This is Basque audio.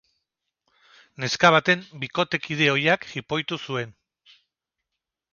Neska baten bikotekide ohiak jipoitu zuen.